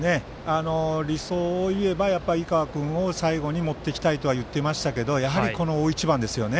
理想を言えば、やっぱり井川君を最後に持っていきたいと言っていましたがやはり、この大一番ですよね。